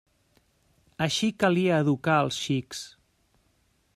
Així calia educar els xics.